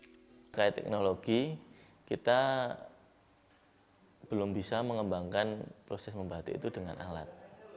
jadi kain kaya teknologi kita belum bisa mengembangkan proses membati itu dengan alat